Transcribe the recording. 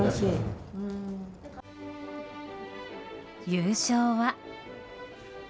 優勝は。